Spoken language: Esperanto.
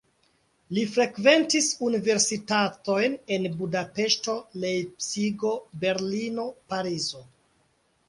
Li frekventis universitatojn en Budapeŝto, Lejpcigo, Berlino, Parizo.